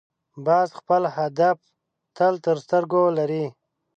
باز خپل هدف تل تر سترګو لري